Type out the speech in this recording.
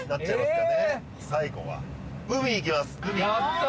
やった！